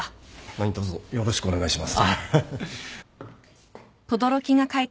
何とぞよろしくお願いします。